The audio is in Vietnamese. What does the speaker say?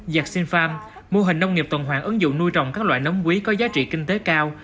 yaxin farm mô hình nông nghiệp tuần hoàng ứng dụng nuôi trồng các loại nấm quý có giá trị kinh tế cao